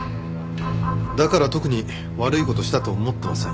だから特に悪い事したと思ってません。